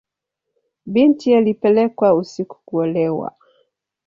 Binti alipelekwa usiku kuolewa.